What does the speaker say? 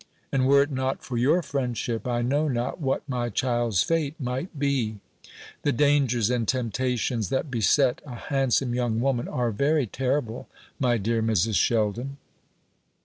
And were it not for your friendship, I know not what my child's fate might be. The dangers and temptations that beset a handsome young woman are very terrible, my dear Mrs. Sheldon."